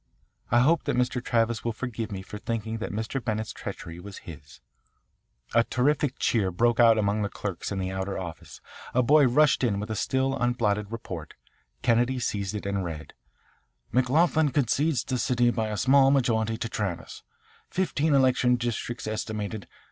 I hope that Mr. Travis will forgive me for thinking that Mr. Bennett's treachery was his" A terrific cheer broke out among the clerks in the outer office. A boy rushed in with a still unblotted report. Kennedy seized it and read: "McLoughlin concedes the city by a small majority to Travis, fifteen election districts estimated.